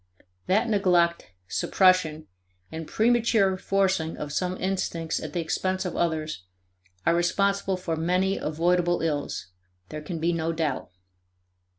That neglect, suppression, and premature forcing of some instincts at the expense of others, are responsible for many avoidable ills, there can be no doubt.